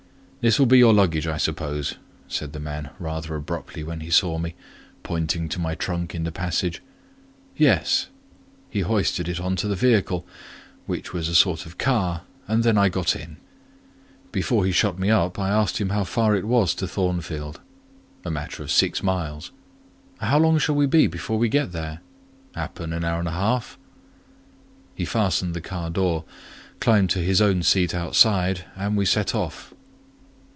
"This will be your luggage, I suppose?" said the man rather abruptly when he saw me, pointing to my trunk in the passage. "Yes." He hoisted it on to the vehicle, which was a sort of car, and then I got in; before he shut me up, I asked him how far it was to Thornfield. "A matter of six miles." "How long shall we be before we get there?" "Happen an hour and a half." He fastened the car door, climbed to his own seat outside, and we set off.